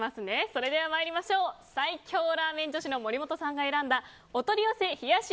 それでは参りましょう最強ラーメン女子の森本さんが選んだお取り寄せ冷やし